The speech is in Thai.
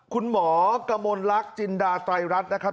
คุณหมอกมลรักจินดาไตรรัฐนะครับ